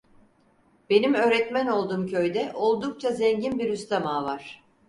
Benim öğretmen olduğum köyde oldukça zengin bir Rüstem Ağa var.